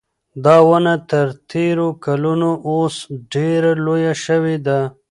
دا ونه تر تېرو کلونو اوس ډېره لویه شوې ده.